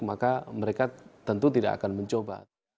maka mereka tentu tidak akan mencoba